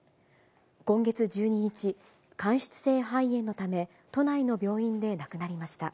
今月１２日、間質性肺炎のため、都内の病院で亡くなりました。